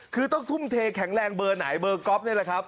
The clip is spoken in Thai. คือต้องทุ่มเทแข็งแรงเบอร์ไหนเบอร์ก๊อฟนี่แหละครับ